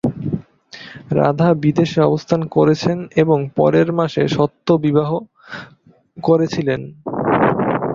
রাধা বিদেশে অবস্থান করেছেন এবং পরের মাসে সত্য বিবাহ করেছিলেন।